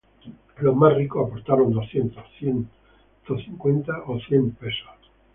Los más ricos aportaron doscientos, ciento cincuenta o cien pesos.